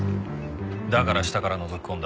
だから下からのぞき込んだ。